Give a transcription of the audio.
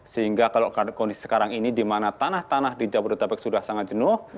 sehingga kalau kondisi sekarang ini di mana tanah tanah di jabodetabek sudah sangat jenuh